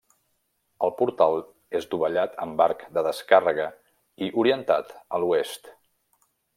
El portal és dovellat amb arc de descàrrega i orientat a l'Oest.